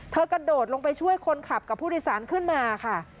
กระโดดลงไปช่วยคนขับกับผู้โดยสารขึ้นมาค่ะ